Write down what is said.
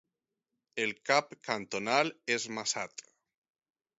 El cap cantonal és Massat.